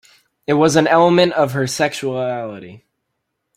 It was an element of her sexuality.